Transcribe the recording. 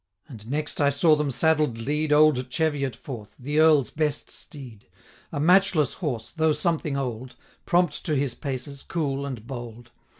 And next I saw them saddled lead 495 Old Cheviot forth, the Earl's best steed; A matchless horse, though something old, Prompt to his paces, cool and bold.